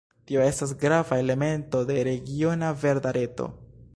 Tio estas grava elemento de regiona verda reto.